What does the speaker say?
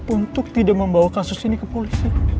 untuk tidak membawa kasus ini ke polisi